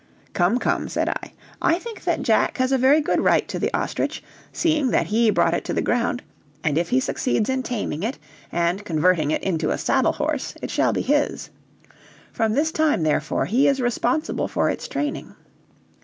"Come, come," said I, "I think that Jack has a very good right to the ostrich, seeing that he brought it to the ground, and if he succeeds in taming it and converting it into a saddle horse it shall be his. From this time, therefore, he is responsible for its training."